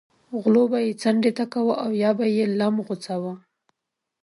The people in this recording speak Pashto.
غلو به یې څنډې ته کاوه او یا به یې لم غوڅاوه.